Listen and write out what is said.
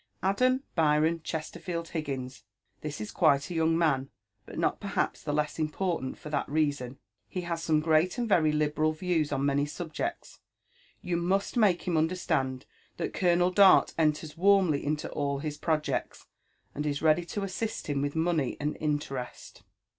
— Adam Byron Ches terfield Uiggins. This is quite a young man, but not perhaps the less important for that reason. He has some great and very libj^ral views on many subjects. You must make him understand that Colonel Dart enters warmly into all his projects, and is ready to assist him with money and interest."